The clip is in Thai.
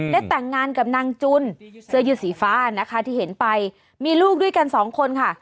ได้แต่งงานกับนางจุนเสื้อยืดสีฟ้านะคะที่เห็นไปมีลูกด้วยกันสองคนค่ะ